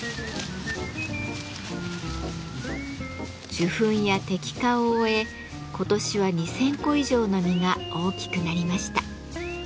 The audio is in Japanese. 授粉や摘果を終え今年は２，０００個以上の実が大きくなりました。